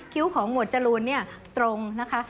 คิ้วของหมวดจรูนตรงนะคะ